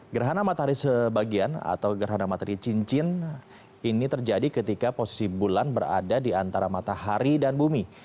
gerhana matahari sebagian atau gerhana matahari cincin ini terjadi ketika posisi bulan berada di antara matahari dan bumi